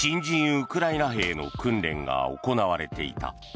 ウクライナ兵の訓練が行われていた。